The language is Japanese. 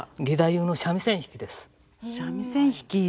三味線弾き。